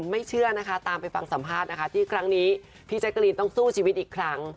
ไม่เชื่อนะคะตามไปฟังสัมภาษณ์นะคะที่ครั้งนี้พี่แจ๊กกะรีนต้องสู้ชีวิตอีกครั้ง